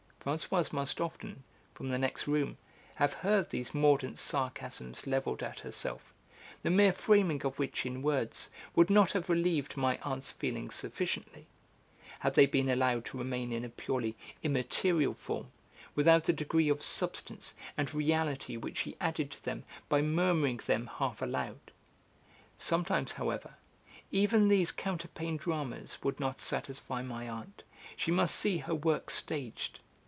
Françoise must often, from the next room, have heard these mordant sarcasms levelled at herself, the mere framing of which in words would not have relieved my aunt's feelings sufficiently, had they been allowed to remain in a purely immaterial form, without the degree of substance and reality which she added to them by murmuring them half aloud. Sometimes, however, even these counterpane dramas would not satisfy my aunt; she must see her work staged.